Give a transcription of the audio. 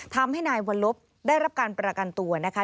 ทำให้นายวัลลบได้รับการประกันตัวนะคะ